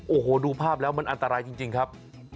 โอ้โหดูภาพแล้วมันอันตรายจริงครับ